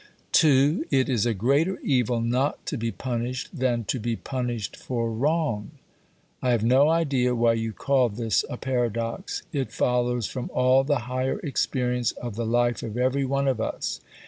(2) It is a greater evil not to be punished than to be punished for wrong. I have no idea why you call this a paradox. It follows from all the higher experience of the life of every one of us.